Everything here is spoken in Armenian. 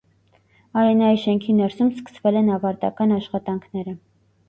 Արենայի շենքի ներսում սկսվել են ավարտական աշխատանքները։